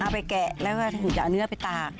ไปแกะแล้วก็ถึงจะเอาเนื้อไปตาก